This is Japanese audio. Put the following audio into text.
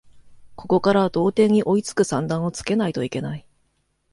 ここから同点に追いつく算段をつけないといけない